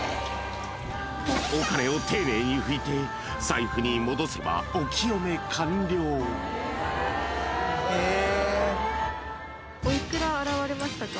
［お金を丁寧に拭いて財布に戻せばお清め完了］え。